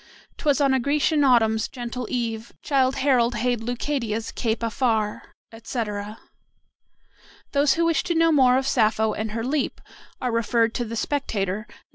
"'Twas on a Grecian autumn's gentle eve Childe Harold hailed Leucadia's cape afar;" etc. Those who wish to know more of Sappho and her "leap" are referred to the "Spectator," Nos.